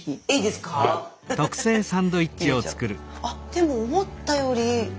でも思ったより。